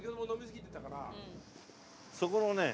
そこのね。